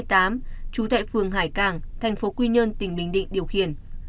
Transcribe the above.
trú tại phường hải cảng tp quy nhơn tỉnh bình định điều khiển